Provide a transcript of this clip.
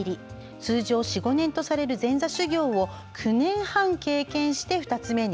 通常４５年とされる前座修行を９年半経験して二ツ目に。